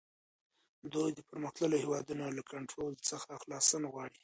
دوی د پرمختللو هیوادونو له کنټرول څخه خلاصون غواړي